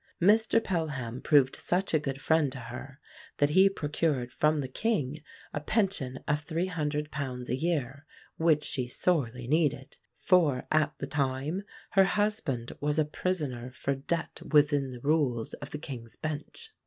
Mr Pelham proved such a good friend to her that he procured from the King a pension of £300 a year, which she sorely needed; for, at the time, her husband was a prisoner for debt "within the Rules" of the King's Bench.